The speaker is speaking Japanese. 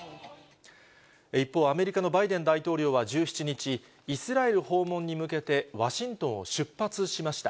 一方、アメリカのバイデン大統領は１７日、イスラエル訪問に向けて、ワシントンを出発しました。